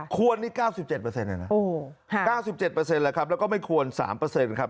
ควรนี่๙๗เปอร์เซ็นต์เลยนะ๙๗เปอร์เซ็นต์แล้วก็ไม่ควร๓เปอร์เซ็นต์ครับ